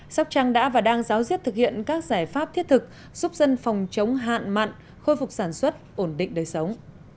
sóc trăng đã và đang giáo diết thực hiện các giải pháp thiết thực giúp dân phòng chống hạn mặn khôi phục sản xuất ổn định đời sống